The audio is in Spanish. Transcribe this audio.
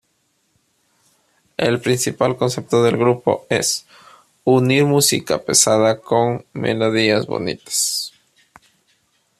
El principal concepto del grupo es "unir música pesada con melodías bonitas".